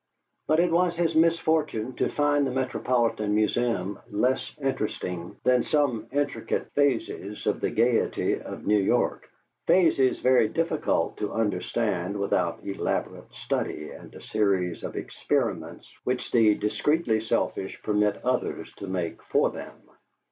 But it was his misfortune to find the Metropolitan Museum less interesting than some intricate phases of the gayety of New York phases very difficult to understand without elaborate study and a series of experiments which the discreetly selfish permit others to make for them.